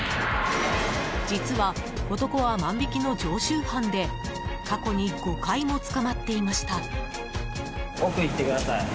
実は、男は万引きの常習犯で過去に５回も捕まっていました。